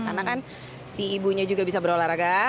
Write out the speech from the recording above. karena kan si ibunya juga bisa berolahraga